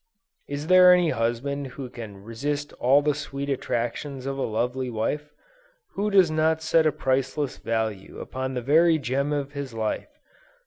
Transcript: Is there any husband who can resist all the sweet attractions of a lovely wife? who does not set a priceless value upon the very gem of his life?